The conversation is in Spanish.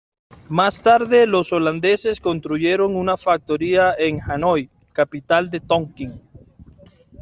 Más tarde los holandeses construyeron una factoría en Hanoi, capital de Tonkín.